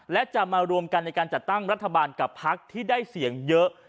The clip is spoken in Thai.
และจะมารวมกันในการจัดตั้งรัฐบาลกับพักที่ได้เสียงเยอะ